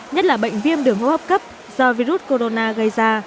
nhất là bệnh viêm đường hô hấp cấp do virus corona gây ra